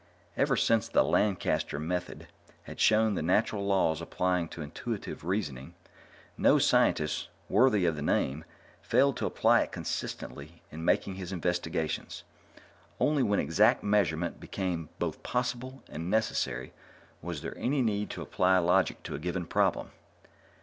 Ever since the Lancaster Method had shown the natural laws applying to intuitive reasoning, no scientist worthy of the name failed to apply it consistently in making his investigations. Only when exact measurement became both possible and necessary was there any need to apply logic to a given problem.